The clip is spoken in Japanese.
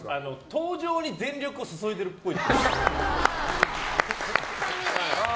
登場に全力を注いでるっぽい。